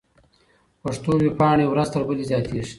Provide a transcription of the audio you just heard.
پښتو ويبپاڼې ورځ تر بلې زياتېږي.